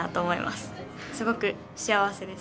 すごく幸せです。